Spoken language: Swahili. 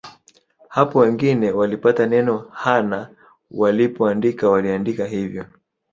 Hapo wageni hao walipata neno Ha na walipoandika waliaandika hivyo